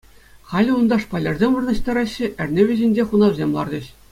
Халӗ унта шпалерсем вырнаҫтараҫҫӗ, эрне вӗҫӗнче хунавсене лартӗҫ.